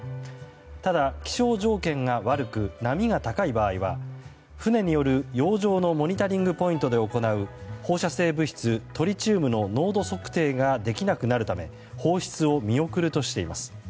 ただ、気象条件が悪く波が高い場合は船による洋上のモニタリングポイントで行う放射性物質トリチウムの濃度測定ができなくなるため放出を見送るとしています。